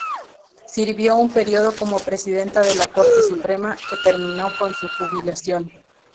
Sirvió un período como Presidenta de la Corte Suprema, que terminó con su jubilación.